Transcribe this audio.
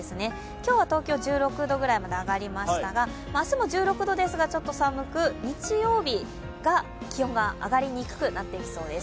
今日は東京１６度ぐらいまで上がりましたが明日も１６度ですがちょっと寒く日曜日が気温が上がりにくくなっていきそうです。